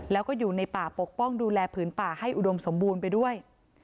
แล้วก็อยู่ในป่าปกป้องดูแลผืนป่าให้อุดมสมบูรณ์ไปด้วย